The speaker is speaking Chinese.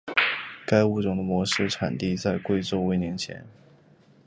该物种的模式产地在贵州威宁县。